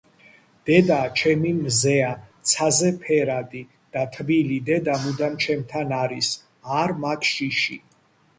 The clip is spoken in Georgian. დედა ჩემი მზეა ცაზე ფერადი და თბილი დედა მუდამ ჩემთან არის არ მაქ შიში